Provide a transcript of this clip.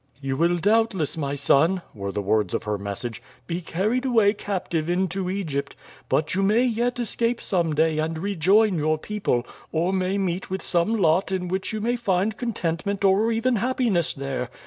"You will doubtless, my son," were the words of her message, "be carried away captive into Egypt, but you may yet escape some day and rejoin your people, or may meet with some lot in which you may find contentment or even happiness there.